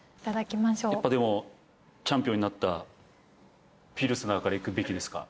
やっぱでもチャンピオンになったピルスナーからいくべきですか？